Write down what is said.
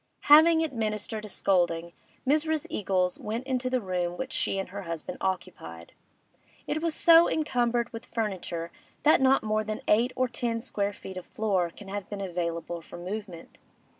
Having administered a scolding, Mrs. Eagles went into the room which she and her husband occupied. It was so encumbered with furniture that not more than eight or ten square feet of floor can have been available for movement.